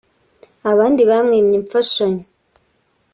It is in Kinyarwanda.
abandi bamwimye imfashanyo